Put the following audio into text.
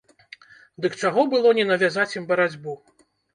Дык чаго было не навязаць ім барацьбу?